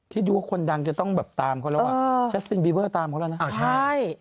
ที่ดูคนดังจะต้องแบบตามเขาแล้ววววว